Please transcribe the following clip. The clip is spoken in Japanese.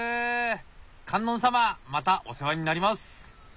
観音様またお世話になります。